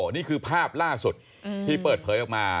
นี่คือภาพล่าสุดที่เปิดเผยออกมา